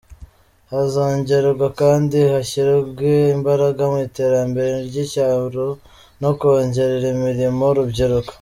Hazongerwa kandi hashyirwe imbaraga mu iterambere ry’icyaro no kongerera imirimo urubyiruko.